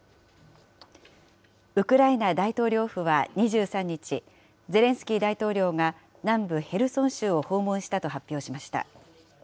ウクライナ大統領府は２３日、ゼレンスキー大統領が、南部ヘルソン州を訪問したと発表しました。